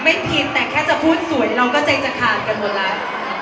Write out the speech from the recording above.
ไม่ผิดแต่แค่จะพูดสวยเราก็ใจจะขาดกันหมดแล้ว